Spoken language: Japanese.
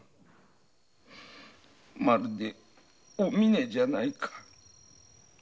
まるでおみねじゃないか。